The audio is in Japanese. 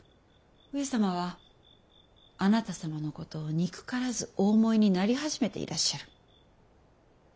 上様はあなた様のことを憎からずお思いになり始めていらっしゃる。